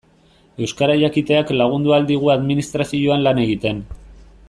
Euskara jakiteak lagundu ahal digu administrazioan lan egiten.